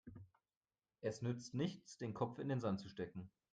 Es nützt nichts, den Kopf in den Sand zu stecken.